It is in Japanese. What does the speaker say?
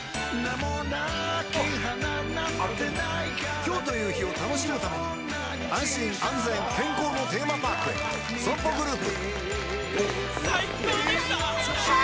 今日という日を楽しむために安心安全健康のテーマパークへＳＯＭＰＯグループ